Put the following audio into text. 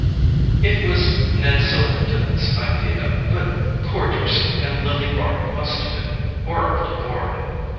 "It was Ned Silverton's idea—but poor Dorset and Lily Bart must have been horribly bored."